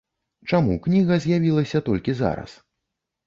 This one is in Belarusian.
Чаму кніга з'явілася толькі зараз?